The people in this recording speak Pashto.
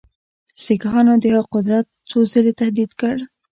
سیکهانو د هغه قدرت څو ځله تهدید کړ.